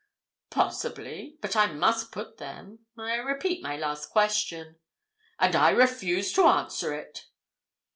"Possibly. But I must put them. I repeat my last question." "And I refuse to answer it."